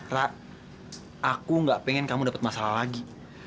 rak aku gak pengen kamu dapat masalah lagi